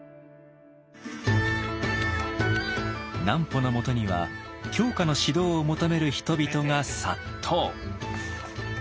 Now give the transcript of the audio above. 南畝のもとには狂歌の指導を求める人々が殺到。